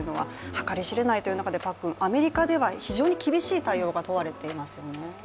計り知れないという中で、アメリカでは非常に厳しい対応が取られていますね。